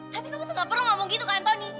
tapi kamu tuh gak perlu ngomong gitu ke antoni